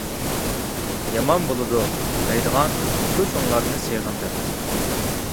«يامان بولىدۇ» دەيدىغان شۇ چوڭلارنى سېغىندىم.